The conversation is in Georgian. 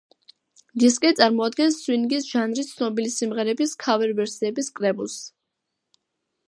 დისკი წარმოადგენს სვინგის ჟანრის ცნობილი სიმღერების ქავერ-ვერსიების კრებულს.